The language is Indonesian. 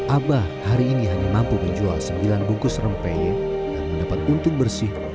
abah hari ini hanya mampu menjual sembilan bungkus rempeye dan mendapat untung bersih